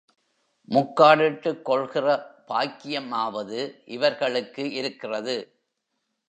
முக்காடிட்டுக் கொள்கிற பாக்யமாவது இவர்களுக்கு இருக்கிறது.